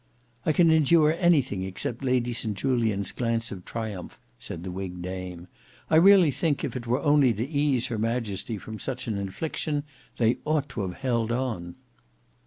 "I can endure anything except Lady St Julian's glance of triumph," said the whig dame. "I really think if it were only to ease her Majesty from such an infliction, they ought to have held on."